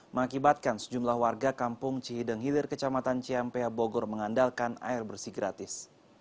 mengakibatkan sejumlah warga kampung cihideng hilir kecamatan ciampea bogor mengandalkan air bersih gratis